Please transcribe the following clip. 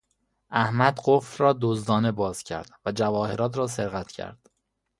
احمد قفل را دزدانه باز کرد و جواهرات را سرقت کرد.